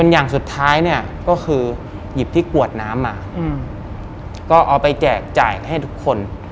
อย่างสุดท้ายเนี่ยก็คือหยิบที่กวดน้ำมาก็เอาไปแจกจ่ายให้ทุกคน